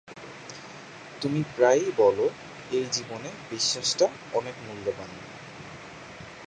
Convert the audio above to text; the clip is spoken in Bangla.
তুমি প্রায়ই বলো এই জীবনে বিশ্বাসটা অনেক মূল্যবান।